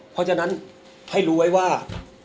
เพราะฉะนั้นให้รู้ไว้ว่า